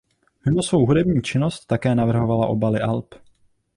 Mimo svou hudební činnost také navrhovala obaly alb.